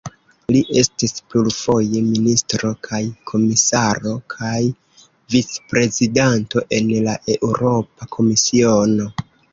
Li estis plurfoje ministro kaj komisaro kaj vicprezidanto en la Eŭropa Komisiono.